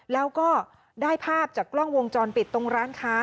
แล้วก็ได้ภาพจากกล้องวงจรปิดตรงร้านค้า